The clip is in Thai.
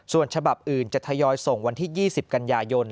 ส่วนฉบับอื่นจะทยอยส่งวันที่๒๐กันยายน